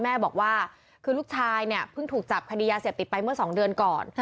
แม่บอกว่าคือลูกชายเนี่ยเพิ่งถูกจับคดียาเสพติดไปเมื่อ๒เดือนก่อน